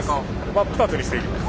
真っ二つにしていきます。